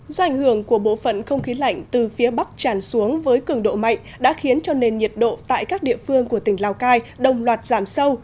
do ảnh hưởng của bộ phận không khí lạnh từ phía bắc tràn xuống với cường độ mạnh đã khiến cho nền nhiệt độ tại các địa phương của tỉnh lào cai đồng loạt giảm sâu